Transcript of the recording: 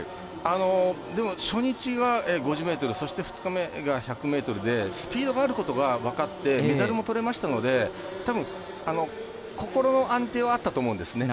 でも、初日が５０ｍそして２日目が１００ｍでスピードがあることが分かってメダルもとれましたのでたぶん、心の安定はあったと思うんですね。